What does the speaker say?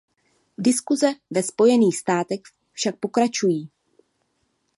Diskuse ve Spojených státech však pokračují.